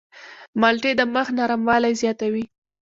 مالټې د مخ نرموالی زیاتوي.